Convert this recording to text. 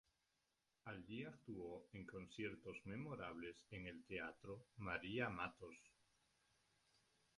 Allí actuó en conciertos memorables en el teatro María Matos.